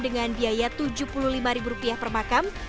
dengan biaya rp tujuh puluh lima per makam